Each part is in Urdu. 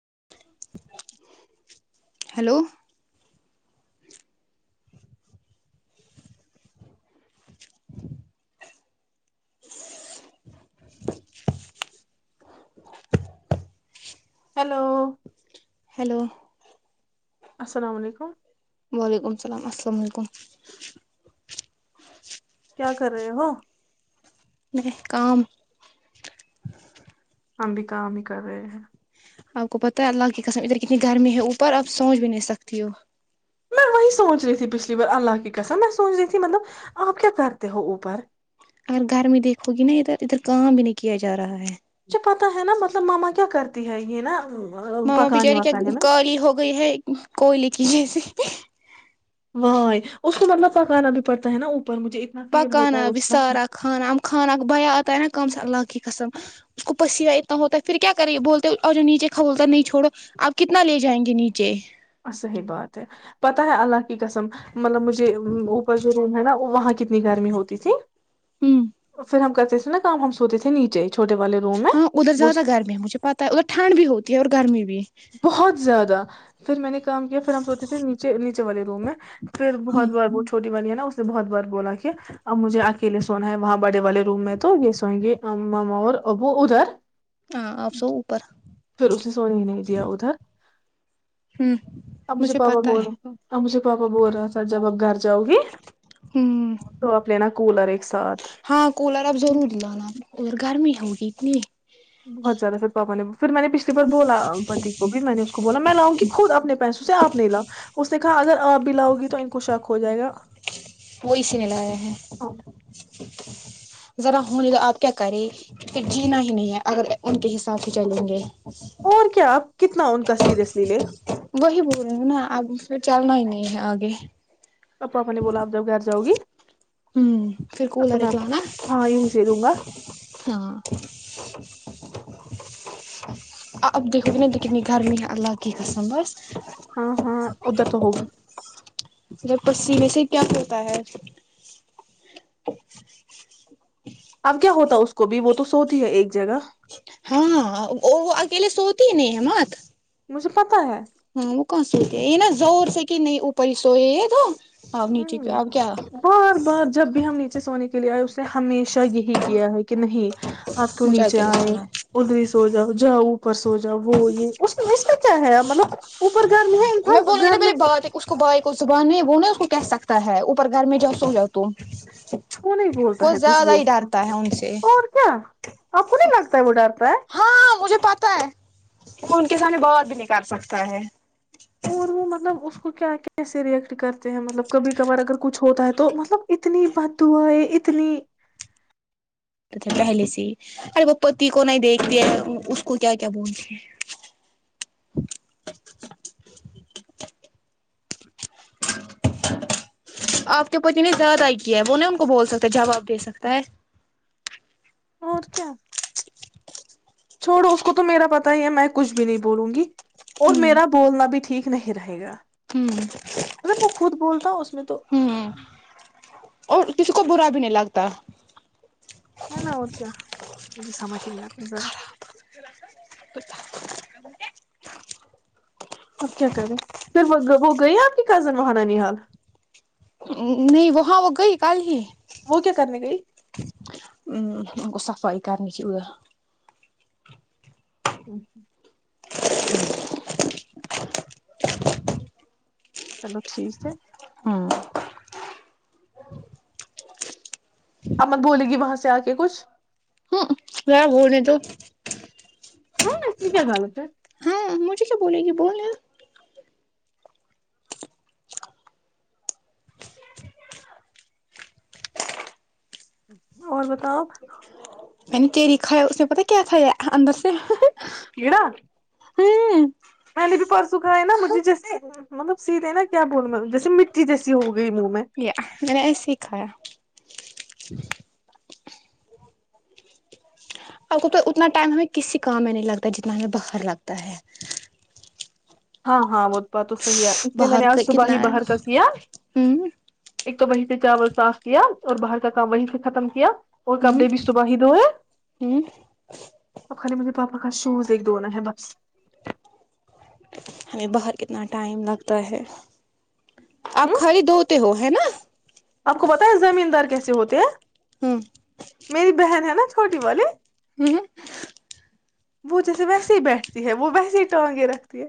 [unintelligible] [unintelligible] [unintelligible] [unintelligible] ہیلو ہیلو السلام علیکم وعلیکم السلام السلام علیکم کیا کر رہے ہو میں کام ہم بھی کام ہی کر رہے ہیں آپ کو پتہ ہے اللہ کی قسم ادھر کتنی گرمی ہے اوپر اپ سوچ بھی نہیں سکتی ہو میں وہی سوچ رہی تھی پچھلی بار اللہ کی کسم میں سوچ رہی تھی مطلب آپ کیا کرتے ہو اوپر اگر گرمی دیکھو گی نا ادھر ادھر کام بھی نہیں کیا جا رہا ہے مجھے پتا ہے نا مطلب ماما کیا کرتی ہے یہ نا ماما پکانے بچاری کیا وکانے میں کی ہو گئی ہے کوئ ل کیج جےسے و اس کو مطلب پکانا بھی پڑتا ہے نا اپر پکانہ بھی سارا خانہ ہم خانا بیا آت آ نا کام سے اللہ کی قسم اس کو پسینہ اتنا ہوتا ہے پھر کیا کریںے بولتے آجو نیچے کبولتا نہیں چھوڑو آپ کتنا لے جائیں گے نیچے صحیح بات ہے پتہ ہے اللہ کے کسم مطلب مجھے اوپر جو روم ہے نا وہاں کتنی گرمی ہوتی تھی ہوں پھر ہم کر نا کا ہم سوتے تھے نیچے چھوٹے والے روم میں ہاں ادھر وہ زیادہ گرمی ہے مجھے پتاہ ہے ادھر ٹھنڈ بھی ہوتی ہے اور گرمی بھی بہت زیادہ پھر میں نے کام کیا پھر ہم سوچتے تھے نیچے نیچے والے روم میں پھر ہوں بہت بار بت چھوٹی بانی ہے نا اس نے بہت بار بولا اوربجھے آ لیے سونا ہے وہاں بڑے والے روم میں تو یہ سوئیں گے اا اور ابو ادھر ہاں آپ سو اوپر پھر اس نے سونی ہو نہیں دیاؤدا ہوں اب مجھے پاپا پتا بول ہے رہا تھا اب مجھے پاپا بول رہا تھا جب آپ گھر جاؤ گی ہوں تو آپ لینا کولر ایک ساتھ ہاں کولر آپ ضرور لانا اور گرمی ہوگی اتنی بہت زیادہ سر پا نے پھر میں نے پچھ پر بولا پتی کو بھی میں نے اس کو بولا میں لاؤں کہ خود اپنے پیس تے آپ نہیں لا اس نے کہا اگر آپ بھی لاؤ گی تو ان کو شک ہو جائے گا وہ اسے نے لایا ہیں ذرا ہونے توا آپ کیا کریں جینا ہی نہیں ہے اگر ان کے حساب سے چلیں گے اور کیا [inaudible] کتنا ان کا سیریئس لی لے [inaudible] وہی بول رہی ہوں نا اب پھر چلنا ہی نہیں ہے آگے توپاپ نے بولا آپ جب گھر جاؤ گی ہوں پھر تو کولر میں ایک آپ کو لانا ہاں یہیں سے دوں گا ہاں آ اب دیکھو د کتنینی گرمی ہے اللہق کی قسم بس [unintelligible] ہاں ہاں ادھر تو ہوگی [inaudible] جب پیم سے کیا کرتا ہے اب کیا ہوتا اس کو بھی وہ تو سوتی ہے ایک جگہ ہاں اور وہ اکیلے سوتی ہی نہیں ہممات مجھفت [unintelligible] ہاں وہ کون سوتی ا ن زور سے [inaudible] کہ نہیں اوپری سوئے یہ تو [inaudible] ہ نیچے آپ کیا بار بار جب بھی ہم نیچے سونے کے لیے آئے اس ہمیشہ یہی کیا ہے کہ نہیں آپ تو مجھے نیچے اکیلے آئے سونا ہے ادھر سو جاؤ جاؤ اوپر س سو جا وہ یہ اس اس کا کیا ہے مطلب اوپر گھر میں ہے بولوں گی نا گھر میں میری بات اس کو بھائی کو زبان نہیں وہ نا اس کو کہہ سکتا ہے اوپر گھر میں جاؤ سو جاؤ تو وہ نہیں بولتا ہے کچھ بھی اس کو ہے ان سے اور کیا آپ کو نہیں لگتا ہے وہ ڈرتا [inaudible] ہاں مجھے پتا ہے ان کے سامنے بوت بھی نہیں کرال سکتا ہے اور وہ مطلب اس کو کیا کیسے ریئیکٹ کرتے ہیں مطلب کبھی کبار اگر کچھ ہوتا ہے تو مطلب اتنی بد دع ہے اتنی تھے پہلے سے ہی ارے وہ پتی کو نہیں دیکھتے اس کو کیا کیا بولتے ہیں آپ کے پت نے زیاد آئی کیا ہے وہ نا ان کو بول سکتا جواب دے سکتا ہے اور کیا چھوڑو اس کو تو میرا پتا ہی ہے میں کچھ بھی نہیں بولوں گی اور ہوں میرا بولنا بھی ٹھیک نہیں رہے گا ہوں اگر وہ خود بولتا ہوں اس میں تو ہوں اور کسی کو برا بھی نہیں لگتا ہے نا اور کیا مجھے سمجھ ہی نہیں آتا ذرا اب کیا کریں پھر وہ وہ گئے ہیں آپ کی کزن وہ نان حال نہیں وہاں وہ گئی کل ہی وہ کیا کرنے گئی؟ ا گ صفائیی کرنی کی ہ اچ چلو ٹھیک ہے ہوں امن بولے گی وہاں سے آ کے کچھ کیا بول نہیں تو ہاں مسری کیا بالات ہے ہاں مجھے کیا بولے گی بول اور بتاؤ نی تیری کھایا اس میں پتا کیا تھا اندر سے کیڑا ہاں میں بھی پرسوںکھ ہے نا مجھے جیس ملب سیدھے نا کیا بول جی مٹی جیسی ہوگی یا میں نے یہ سیکھایا ج اب تو تو اتنا ٹائم ہمیں کسی کام میں نہیں لگتا جتنا ہمیں باہر لگتا ہے ہاں ہاں وہت با تو سح اس لیے میں نے باہر آج کا صبح ہی کتنا ہوں باہر کا سیا ہوں ایک تو وہی سے چاول صاف کیا اور باہر کا کام وہیں سے ختم کیا اور کپڑے بھی صبح ہی دھوئے ہوں ا کے مجھے پاپا کا شوز ایک دھنا ہے بس ہمیں باہر کتنا ٹائم لگتا ہے آپ ہوں خالی دو ہو ہے نا آپ کو بت ہے زمین دار کیسے ہوتے ہیں ہوں میری بہن ہے نا چھوٹی والی ہوں وہ جیسے ویسے ہی بیٹھتی ہے وہ ویسے ہی ٹانگے رکھتی ہے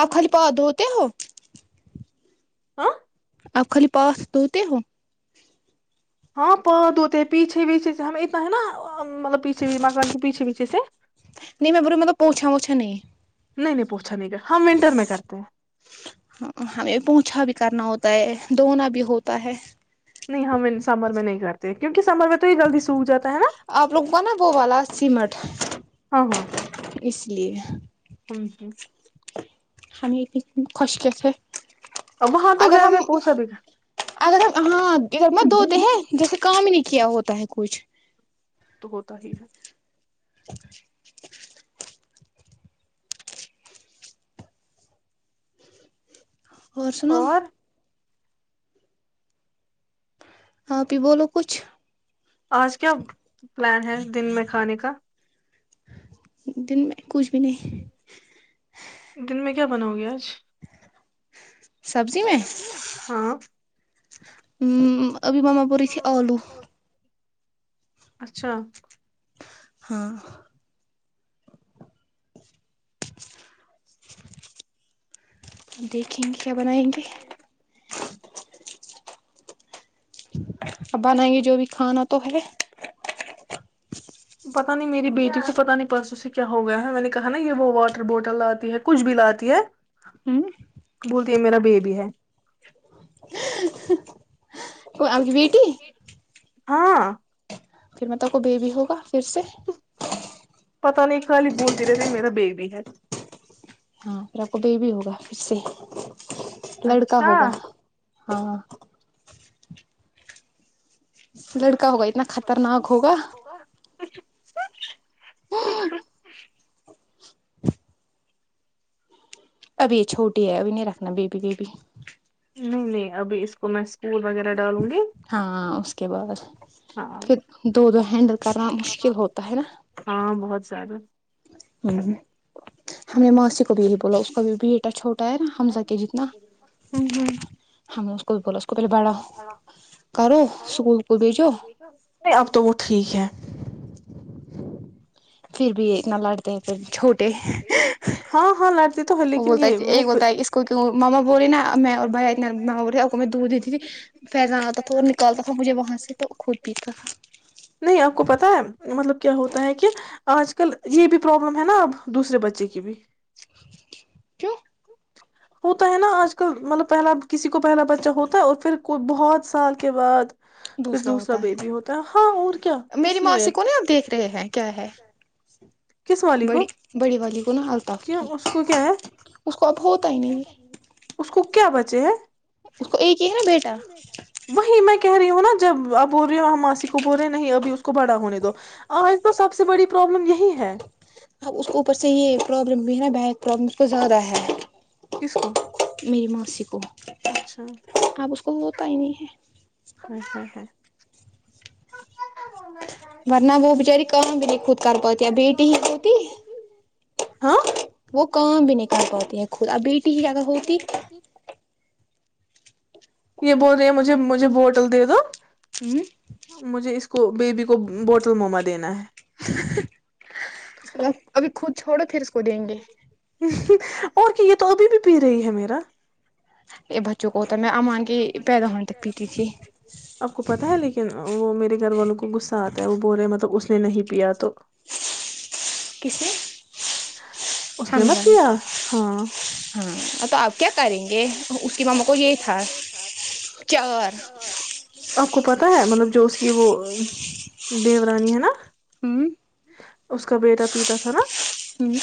آپ خالی پا دھوتے ہو ہاں آپ خالی پاس دھوتے ہو ہاں پاد ہوتے ہیں پیچھے پیچھے سے ہمیں اتنا ہے نا مطلب پیچھےچھے مکان کے پیچھے پیچھے سے نہیں میں برے مطلب پوچھا ووچھا نہیں نہیں نہیں پوچھا نہیں گ ہم ونٹر میں کرتے ہیں ہاں ہمیں پونچھا بھی کرنا ہوتا ہے دنا بھی ہوتا ہے نہیں ہم سمر میں نہیں کرتے کیونکہ سمر میں تو یہ جلدی سوکھ جاتا ہے نا آپ لوگ کو ن وہ والا سیمٹ ہاں ہاں اس لیے ہمیں یہ خش کے سےے وہاں تو اگر گھر ہم میں پوچھا بھی اگر ہم ہاں اھر مت دھوتے ہیں جیسے کام نہیں کیا ہوتا ہے کچھ تو ہوتا ہی ہے [unintelligible] اور سناؤ آپ ہی بولو کچھ آج کیا پلان ہے دن میں کھانے کا دن میں کچھ بھی نہیں دن میں کیا بناؤ گے آج سبزی میں ہاں ہ ابھی ماما پ رہی تھی آلو اچھا ہاں دیکھیں گے کیا بنائیں گے ا بنائیں گے جو بھی کھانا تو ہے پتا نہیں میری بیٹی کو پتا نہیں پرسوں سے کیا ہو گیا ہے میں نے کہا نا یہ وہ واٹر بوٹل لاتی ہے کچھ بھی لاتی ہے ہ بولتی ہے میرا بیبی ہے کو آ کی بیٹی ہاں پھر میں ت کو بیےبی ہوگا پھر سے پتا نہیں خالی بولتی رہتی میرا بیگ بھی ہے ہاں پھر آپ کو ب بھی ہوگا پھر سے لڑکا اچھا ہوگا ہاں س لڑک ہوگا اتنا خطرناک ہوگا ابھی یہ چھوٹی ہے ابھی نہیں رکھنا بیبی بیبی نہیں نہیں ابھی اس کو میں اسکول وغیرہ ڈالوں گی ہاں اس کے بعد ہاں پھر دو دو ہینڈل کرنا مشکل ہوتا ہے نا ہاں بہت زیادہ ہم نے ماسی کو بھی یہی بولا اس کا بھی بیٹا چھوٹا حزہ کے جتنا ہوں ہوں کل ب اسکول کو بھیجو نہیں اب تو وہ ٹھیک ہے پھر بھی اتنا لڑتے ہیں پھر چھوٹے ہاں ہاں لتی وہ بولتا ہے یہ بولتا ہے اس کو کی ماما بول نا میں اور بھیا اتنا ماما رہے آپ کو میں دودھ دیتی تھی فیضان آتا تھا اور نکالتا تھا مجھے وہاں سے تو خود پیتا تھا نہیں آپ کو پتا ہے مطلب کیا ہوتا ہے کہ آج کل یہ بھی پروابلم ہے نا اب دوسرے بچے کی بھی کیوں ہوتا ہے نا آج کل مطلب پہلا کسی کو پہلا بچہ ہوتا ہے اور پھر کو بہت سال کے بعد پھر دوسرا ہوتا ہے بیبی ہوتا ہاں اور کیا میری اس ماسی لیے کو نہیں آپ دیکھ رہے ہیں کیا ہے بڑی بڑی والی کو نا کی اس کو کیا ہے اس کو اب ہوتا ہی نہیں اس کو کیا بچے ہیں اس کو ایک ہی ہے نا بیٹا وہیں میں کہ رہی ہووں نا جب اب بول رہی ہو ماسی کو بول رہے ہیں نہیں ابھی اس کو بڑا ہونے دو آج تو سب سے بڑی پرابلم یہی ہے اب اس کے اوپر سے یہ پروابلم با ب پرمس کو ز رہہ ہے کس کو میری ماسی کو اچھا [inaudible] آپ اس کو ہوتا ہی نہیں ہے [inaudible] ہچ [inaudible] ج ہ [inaudible] [inaudible] ہ ورنہ [inaudible] وہ بچاری کام بھی نہیں خود کر پاتی ہے بیٹی ہی ہوتی وہ کام بھی نہیں کر پاتی ہے خود اب بیٹی ہی اگر ہوتی یہ بول رہی ہیں مجھے مجھے بوٹل دے دو [inaudible] ہوں [inaudible] مجھے اس کو بیبی کو بوٹل موما دینا ہے [inaudible] ابھی خود چھوڑو پھر اس کو دیں گے [inaudible] اور کہ یہ تو ابھی بھی پی رہی ہے میرا [inaudible] یہ بت [inaudible] تھی آپ کو پتا ہے لیکن وہ میرے گھر والوں کو غصہ آتا ہے وہ بول رہے مطلب [inaudible] نے نہیں پیا تو [inaudible] کسے اس نے مت کیا ہاں ہاں آپ کیا کریں گے اس کی ماما کو یہ تھا کیا کیا آپ کو پتا پتا ہے مطلب جو اس کی وہ دی رانی ہے نا ہوں اس کا بیٹا پیتا تھا نا ہوں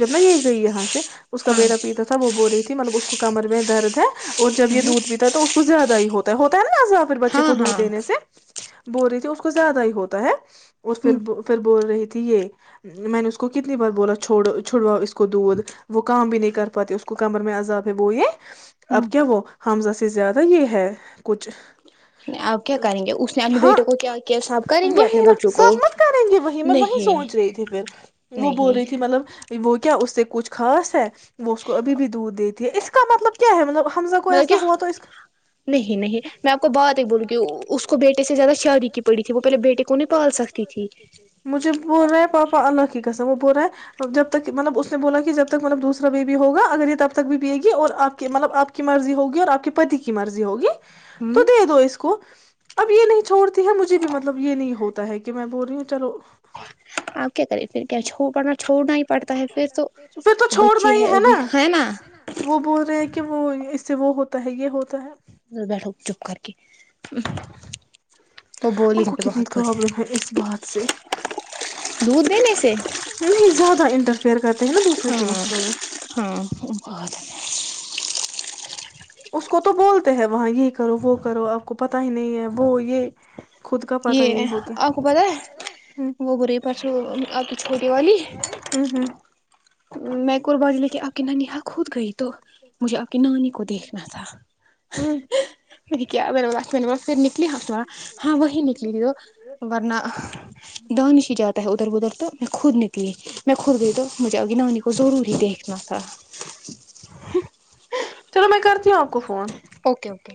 جب نا یہ گئی یہاں سے اس کا ہاں بیٹا پیتا تھا وہ بول رہی تھی مطلب اس کو کمر میں درد ہے اور جب یہ دودھ پیتا ہے تو اس کو زیادہ ہی ہوتا ہے ہوتا ہے نا ز پھر بچے ہاں کو دودھ ہاں دینے سے بول رہی تھی اس کو زیادہ ہی ہوتا ہے اور ہوں پھر پھر بول رہی تھی یہ میں نے اس کو کتنی بار بولا چھوڑ چھڑواؤ اس کو دودھ وہ کام بھی نہیں کر پاتے اس کو کمر میں عذاب ہے وہ یہ اب ہوں کیا وہ حمزہ سے زیادہ یہ ہے کچھ آپ کیا کریں گے اس نے اپنے ہاں بیٹے کو کیا کیا صاب کریں گے اپنے وہی نا بچوں کو سبمت کریں گے وہی میں وہی نہیں سوچ رہی تھی پھر وہ بول نہیں رہی تھی مطلب وہ کیا اس سے کچھ خاص ہے وہ اس کو ابھی بھی دودھ دیتی ہے اس کا مطلب کیا ہے مطلب حمزہ کو مطلب ایسا کیا ہوا تو اس کا نہیں نہیں میں آپ کو بات ہی بولوں گی اس کو بیٹے سے زیادہ شادی کی پڑی تھی وہ پہلے بیٹے کو نہیں پال سکتی تھی مجھ بول رہا پاپا اللہ کی کسم وہ بول رہا ہے جب تک مطلب اس نے بولا کہ جب تک مطلب دوسرا بیبی ہوگا اگر یہ تب تک بھی پے گی اور آپ کی مطلب آپ کی مرضی ہوگی اور آپ کے پتی کی مرضی ہوگی تو ہوں دے دو اس کو اب یہ نہیں چھوڑتی ہے مجھے بھی مطلب یہ نہیں ہوتا ہے کہ میں بول رہی ہوں چلو آپ کیا کریں پھر کیا چھو پڑنا چھوڑنا ہی پڑتا ہے پھر تو پھر تو چھوڑنا ہی ہے نا وہ بول رہے ہیں کہ وہ سے وہ ہوتا ہے یہ ہوتا ہے بیٹھو چپ کر کے وہ بولیں ان کو گے کتنی بہت کچھ پرابلم ہے اس بات سے دودھ دینے سے نہیں زیادہ انٹر فر کر ہاں ہاں ب اس کو تو بولتے ہیں وہاں یہ کرو وہ کرو آپ کو پت ہی نہیں ہے وہ یہ خود کا پتا ہی یہ نہیں ہوتا ہے آپ کو پت ہے ہوں وہ بری پرسوں آپ کی چھوٹی والی ہوں ہوں میں قربای ل کہ آپ کی نانی ہ خود گئی تو مجھے آپ کی نانی کو دیکھنا تھا س ہوں ہفتےارا ہاں وہی نکلی ت تو ورنہ د ن ہی جاتا تاہے ادھر ادھر تو میں خود نکلی میں خود گئی تو مجھے اگ نانی کو ضرور ہی دیکھنا تھا چلو میں کرتی ہوں آپ کو فون اوکے اوکے